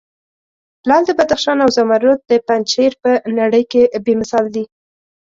لعل د بدخشان او زمرود د پنجشیر په نړې کې بې مثال دي.